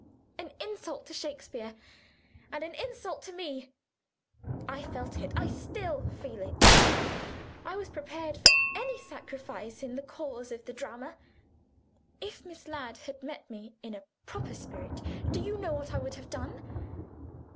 An insult to Shakespeare, and an insult to Me. I felt it I feel it still. I was prepared for any sacrifice in the cause of the drama. If Miss Ladd had met me in a proper spirit, do you know what I would have done?